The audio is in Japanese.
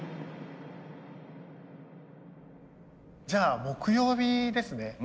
じゃあ木曜日ですね。